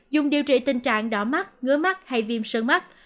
dùng điều trị tình trạng đỏ mắt ngứa mắt hay viêm sơn mắt